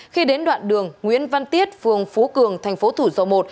khi đến đoạn đường nguyễn văn tiết phường phú cường thành phố thủ dầu một